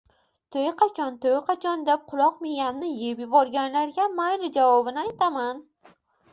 To'y qachon, to'y qachon? deb quloq miyamni yeb yuborganlarga, mayli javobini aytaman